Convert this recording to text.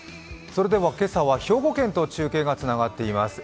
今朝は兵庫県と中継がつながっています。